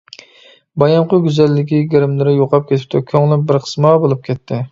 بايامقى گۈزەللىكى، گىرىملىرى يوقاپ كېتىپتۇ، كۆڭلۈم بىرقىسما بولۇپ كەتتى.